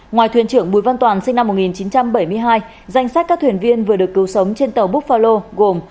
ngoài thuyền trưởng bùi văn toàn sinh năm một nghìn chín trăm bảy mươi hai danh sách các thuyền viên vừa được cứu sống trên tàu búc phao gồm